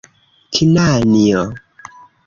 Knanjo...